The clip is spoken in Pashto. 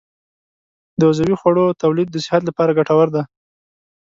د عضوي خوړو تولید د صحت لپاره ګټور دی.